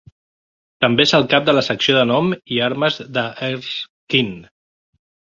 També és el cap de la secció de nom i armes d'Erskine.